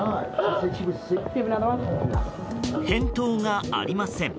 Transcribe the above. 返答がありません。